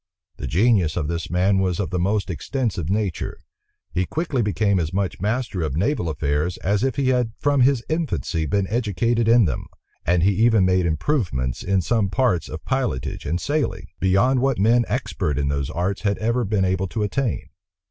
The genius of this man was of the most extensive nature. He quickly became as much master of naval affairs, as if he had from his infancy been educated in them; and he even made improvements in some parts of pilotage and sailing, beyond what men expert in those arts had ever been able to attain.